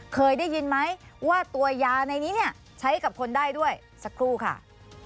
เคยได้ยินไหมว่าตัวยาในนี้เนี่ยใช้กับคนได้ด้วยสักครู่ค่ะ